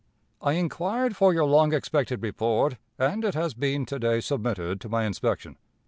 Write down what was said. "I inquired for your long expected report, and it has been to day submitted to my inspection.